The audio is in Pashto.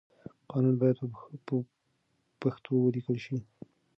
قانون بايد په پښتو وليکل شي.